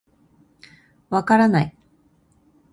分からない。